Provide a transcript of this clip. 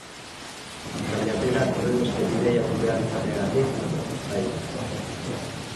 Baina berak horrenbeste bidaiatu behar izateagatik, bai.